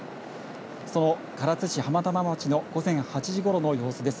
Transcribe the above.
その唐津市浜玉町の午前８時ごろの様子です。